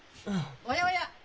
おやおや！